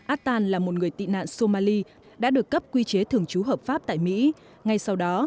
attan là một người tị nạn somali đã được cấp quy chế thường trú hợp pháp tại mỹ ngay sau đó